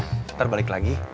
ntar balik lagi